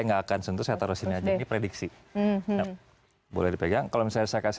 nggak akan sentuh saya terus ini aja ini prediksi boleh dipegang kalau misalnya saya kasih